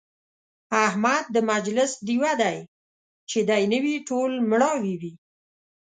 احمد د مجلس ډېوه دی، چې دی نه وي ټول مړاوي وي.